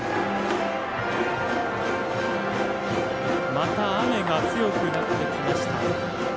また雨が強くなってきました。